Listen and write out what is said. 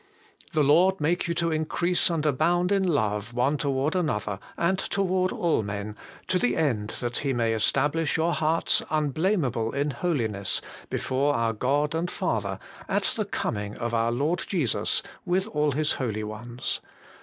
The Lord make you to increase and abound in love one toward another, and toward all men, to the end He may stablish your hearts unblameable in holiness before our God and Father at the coming of our Lord Jesus with all His holy ones.'